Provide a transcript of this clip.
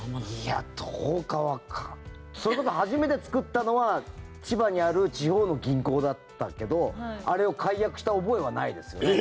いや、どうかそれこそ初めて作ったのは千葉にある地方の銀行だったけどあれを解約した覚えはないですよね。